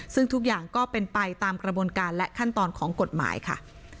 ซึ่งทุกอย่างก็เป็นไปตามกระบวนการและขั้นตอนของกฎหมายค่ะ